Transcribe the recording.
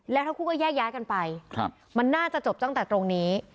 แล้วทั้งคู่ก็แยกย้ายกันไปมันน่าจะจบตั้งแต่ตรงนี้